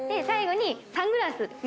最後にサングラス。